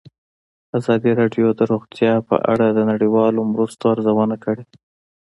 ازادي راډیو د روغتیا په اړه د نړیوالو مرستو ارزونه کړې.